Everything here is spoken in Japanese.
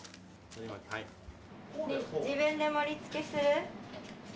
自分で盛りつけする？